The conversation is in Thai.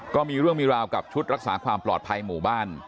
ก็มีเรื่องมีราวกับชุดรักษาความปลอดภัยหมู่บ้าน